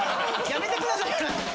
やめてください。